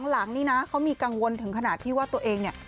หลังนี่นะเขามีกังวลถึงขนาดที่ว่าตัวเองเนี่ย